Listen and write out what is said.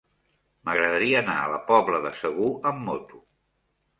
M'agradaria anar a la Pobla de Segur amb moto.